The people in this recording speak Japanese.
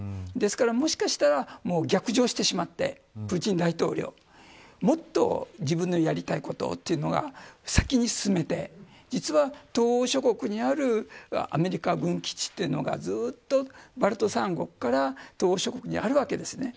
ですから、もしかしたら逆上してしまってプーチン大統領もっと自分のやりたいことというのが先に進めて実は東欧諸国にあるアメリカ軍基地というのがずっとバルト３国から東欧諸国にあるわけです。